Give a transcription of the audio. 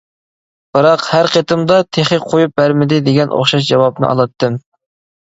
بىراق، ھەر قېتىمدا «تېخى قۇيۇپ بەرمىدى» دېگەن ئوخشاش جاۋابنى ئالاتتىم.